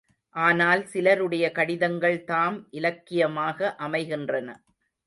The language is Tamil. ஆனால் சிலருடைய கடிதங்கள்தாம் இலக்கியமாக அமைகின்றன.